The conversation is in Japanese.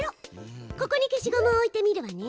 ここに消しゴムを置いてみるわね。